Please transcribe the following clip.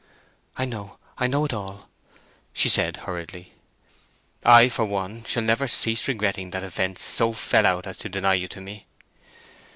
"I know—I know it all," she said, hurriedly. "I, for one, shall never cease regretting that events so fell out as to deny you to me."